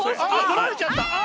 取られちゃったあ！